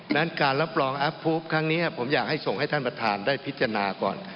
นั้นการรับรองแอปพูปครั้งนี้ผมอยากให้ส่งให้ท่านประธานได้พิจารณาก่อน